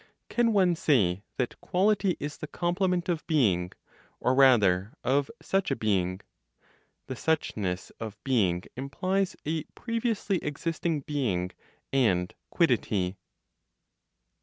Can one say that quality is the complement of being, or rather of such a being? The suchness of being implies a previously existing being and quiddity.